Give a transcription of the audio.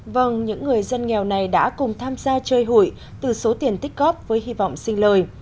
vâng những người dân nghèo này đã cùng tham gia chơi hụi từ số tiền tích góp với hy vọng xin lời